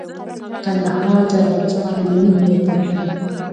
کندهار د افغانستان د ملي هویت نښه ده.